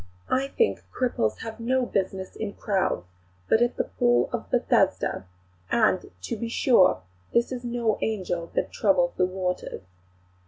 I think cripples have no business in crowds, but at the Pool of Bethesda; and, to be sure, this is no angel that troubles the waters."